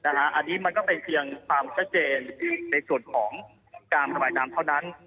อันนี้มันก็เป็นเพียงความชัดเจนในส่วนของการระบายน้ำเท่านั้น